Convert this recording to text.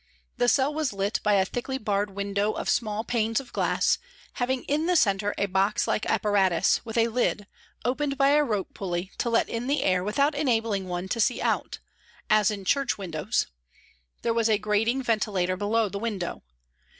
The cell was lit by a thickly barred window of small panes of glass, having in the centre a box like apparatus, with a lid, opened by a rope pulley to let in the air without enabling one to see out, as in church windows. There was a grating ventilator below the window.